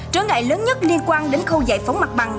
trở ngại lớn nhất liên quan đến khâu giải phóng mặt bằng